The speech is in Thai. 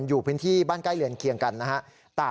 อยู่พื้นที่บ้านใกล้เรือนเคียงกันนะฮะ